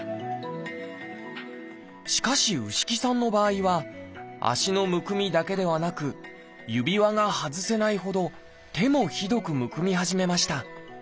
しかし牛木さんの場合は足のむくみだけではなく指輪が外せないほど手もひどくむくみ始めました。